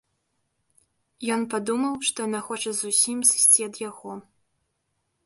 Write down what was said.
Ён падумаў, што яна хоча зусім сысці ад яго.